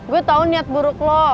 gue tau niat buruk lo